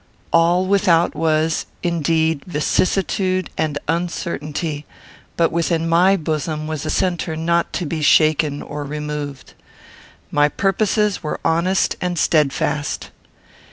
All without was, indeed, vicissitude and uncertainty; but within my bosom was a centre not to be shaken or removed. My purposes were honest and steadfast.